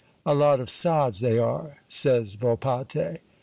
"A lot of sods, they are!" says Volpatte.